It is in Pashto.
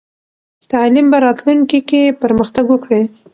تعلیم به راتلونکې کې پرمختګ وکړي.